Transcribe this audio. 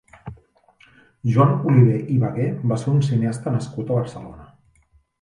Joan Olivé i Vagué va ser un cineasta nascut a Barcelona.